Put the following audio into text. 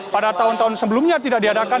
pada tahun tahun sebelumnya tidak diadakan